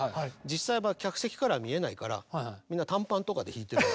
実際は客席から見えないからみんな短パンとかで弾いてる。